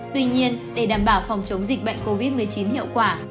tuy nhiên để đảm bảo phòng chống dịch bệnh covid một mươi chín hiệu quả